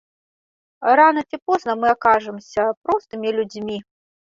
Рана ці позна мы акажамся простымі людзьмі.